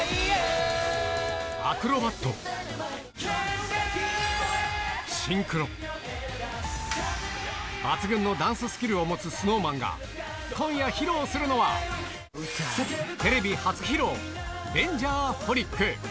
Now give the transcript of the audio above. アクロバット、シンクロ、抜群のダンススキルを持つＳｎｏｗＭａｎが、今夜披露するのは、テレビ初披露、Ｄａｎｇｅｒｈｏｌｉｃ。